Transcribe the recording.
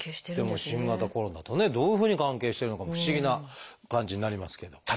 でも新型コロナとねどういうふうに関係してるのかも不思議な感じになりますけれど。